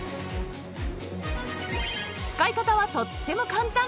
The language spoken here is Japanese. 使い方はとっても簡単！